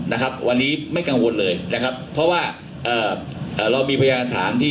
นะครับวันนี้ไม่กังวลเลยนะครับเพราะว่าเอ่อเอ่อเรามีพยานฐานที่